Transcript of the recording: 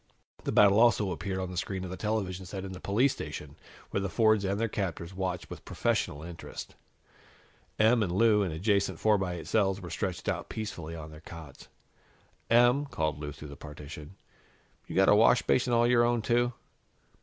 The battle also appeared on the screen of the television set in the police station, where the Fords and their captors watched with professional interest. Em and Lou, in adjacent four by eight cells, were stretched out peacefully on their cots. "Em," called Lou through the partition, "you got a washbasin all your own, too?"